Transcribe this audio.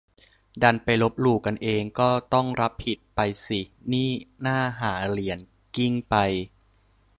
ดันไปลบหลู่กันเอง ก็ต้องรับผิดไปสินี่ น่าหาเหรียญกลิ้งไป